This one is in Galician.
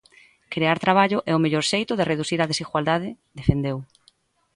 Crear traballo é o mellor xeito de reducir a desigualdade, defendeu.